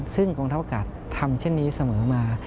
ซึ่งกองทัพอากาศทำเช่นนี้เสมอมา